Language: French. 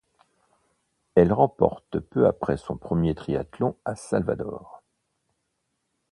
Elle remporte peu après son premier triathlon, à Salvador.